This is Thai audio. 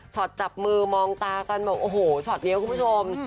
จับมือมองตากันบอกโอ้โหช็อตนี้คุณผู้ชม